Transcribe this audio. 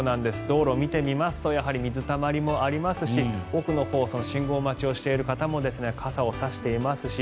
道路を見てみますと水たまりもありますし奥のほう信号待ちをしている方も傘を差していますし。